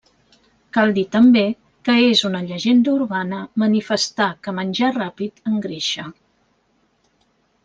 Cal dir també que és una llegenda urbana manifestar que menjar ràpid engreixa.